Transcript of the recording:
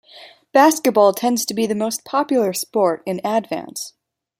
Basketball tends to be the most popular sport in Advance.